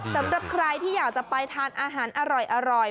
สำหรับใครที่อยากจะไปทานอาหารอร่อย